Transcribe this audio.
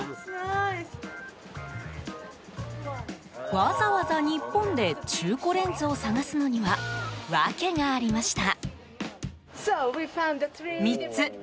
わざわざ日本で中古レンズを探すのには訳がありました。